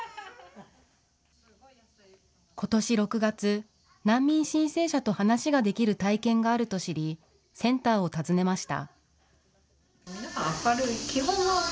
ことし６月、難民申請者と話ができる体験があると知り、センターを訪ねました。